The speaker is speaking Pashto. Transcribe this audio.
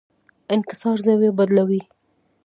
انکسار زاویه بدلوي.